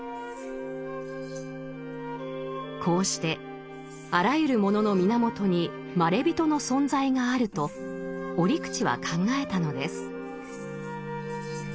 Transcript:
こうしてあらゆるものの源にまれびとの存在があると折口は考えたのです。